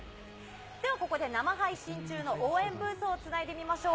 では、ここで生配信中の応援ブースをつないでみましょう。